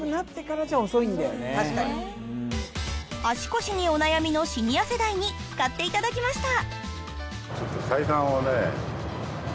足腰にお悩みのシニア世代に使っていただきました！